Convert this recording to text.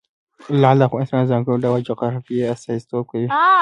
لعل د افغانستان د ځانګړي ډول جغرافیه استازیتوب کوي.